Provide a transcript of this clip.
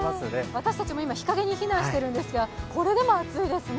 私たちも今、日陰に避難しているんですが、これでも暑いですね。